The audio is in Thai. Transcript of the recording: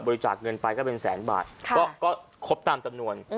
จากเงินไปก็เป็นแสนบาทก็ครบตามจำนวน